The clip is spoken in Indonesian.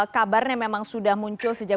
kabarnya memang sudah muncul sejak